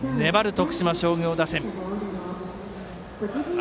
徳島商業打線。